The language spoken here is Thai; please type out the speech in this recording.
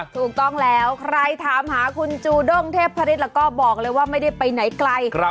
ถูกต้องแล้วใครถามหาคุณจูด้งเทพฤษแล้วก็บอกเลยว่าไม่ได้ไปไหนไกล